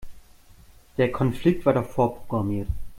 Der Konflikt war doch vorprogrammiert.